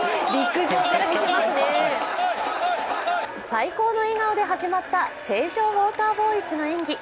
最高の笑顔で始まった成城ウォーターボーイズの演技。